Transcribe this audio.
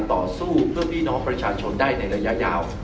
ต่อสู้เพื่อพี่น้องประชาชนได้ในระยะยาว